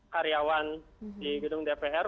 karyawan di gedung dpr